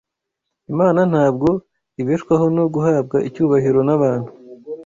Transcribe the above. Imana ntabwo ibeshwaho no guhabwa icyubahiro n’abantu